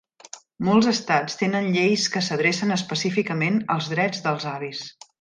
Molts estats tenen lleis que s'adrecen específicament als drets dels avis.